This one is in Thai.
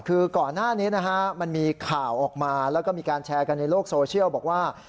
คือก่อนหน้านี้นะฮะมันมีข่าวออกมาแล้วก็มีการแชร์กันในโลกโซเชียลบอกว่า